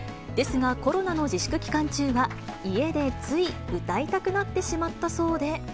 ですが、コロナの自粛期間中は、家でつい、歌いたくなってしまったそうで。